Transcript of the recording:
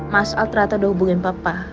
mas al ternyata udah hubungin papa